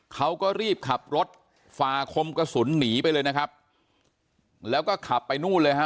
เขาก็รีบขับรถฝ่าคมกระสุนหนีไปเลยนะครับแล้วก็ขับไปนู่นเลยฮะ